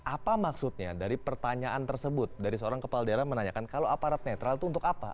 apa maksudnya dari pertanyaan tersebut dari seorang kepala daerah menanyakan kalau aparat netral itu untuk apa